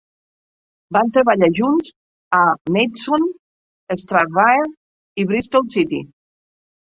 Van treballar junts a Maidstone, Stranraer i Bristol City.